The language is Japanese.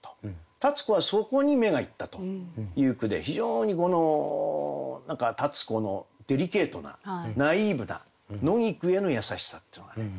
立子はそこに目がいったという句で非常にこの何か立子のデリケートなナイーブな野菊への優しさっていうのがね